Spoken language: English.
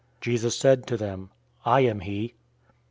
Jesus said to them, "I am he."